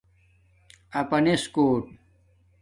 اپانس کوُٹ